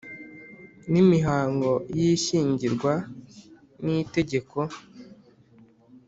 N imihango y ishyingirwa n itegeko